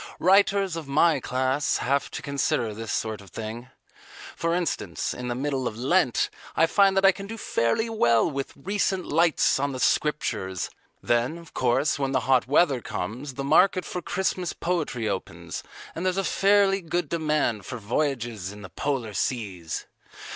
Writers of my class have to consider this sort of thing. For instance, in the middle of Lent, I find that I can do fairly well with "Recent Lights on the Scriptures." Then, of course, when the hot weather comes, the market for Christmas poetry opens and there's a fairly good demand for voyages in the Polar Seas.